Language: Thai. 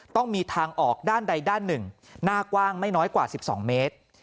ต้องมีทางออกด้านใดด้านหนึ่งหน้ากว้างไม่น้อยกว่า๑๒เมตร